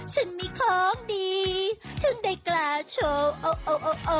ฉันมีของดีถึงได้กลาโชว์